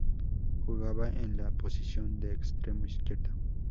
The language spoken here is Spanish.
Jugaba en la posición de extremo izquierdo.